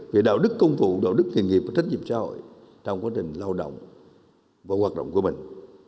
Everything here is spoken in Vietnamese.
việc đạo đức công vụ đạo đức nghề nghiệp và trách nhiệm trò trong quá trình lao động và hoạt động của mình